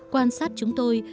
quan sát chúng tôi